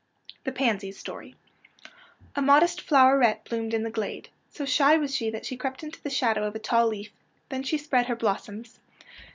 THE PANSY'S STORY A modest floweret bloomed in the glade. So shy was she that she crept into the shadow of a tall leaf. Then she spread her blossoms.